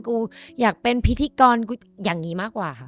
กูอยากเป็นพิธีกรอย่างนี้มากกว่าค่ะ